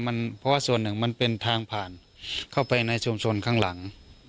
เพราะว่าส่วนหนึ่งมันเป็นทางผ่านเข้าไปในชุมชนข้างหลัง